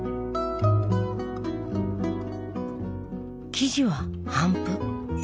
生地は「帆布」。